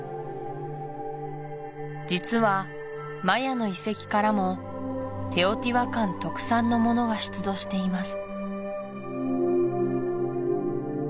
実はマヤの遺跡からもテオティワカン特産のものが出土しています